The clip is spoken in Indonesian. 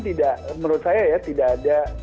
tidak menurut saya ya tidak ada